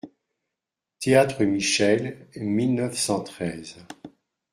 Théâtre Michel, mille neuf cent treize.